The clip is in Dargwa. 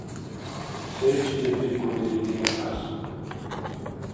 Селичи детиркулил гьимикьяс